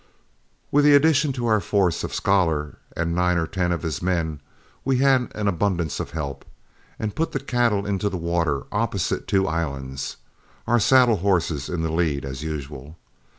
With the addition to our force of Scholar and nine or ten of his men, we had an abundance of help, and put the cattle into the water opposite two islands, our saddle horses in the lead as usual.